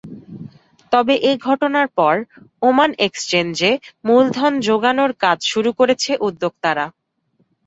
তবে এ ঘটনার পর ওমান এক্সচেঞ্জে মূলধন জোগানের কাজ শুরু করেছে উদ্যোক্তারা।